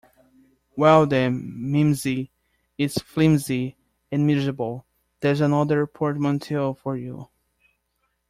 Well, then, ‘mimsy’ is ‘flimsy and miserable’ - there’s another portmanteau for you.